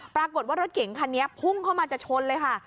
ปรากฏว่ารถเก๋งคันนี้พุ่งเข้ามาจะชนเลยค่ะ